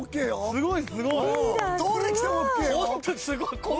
すごい！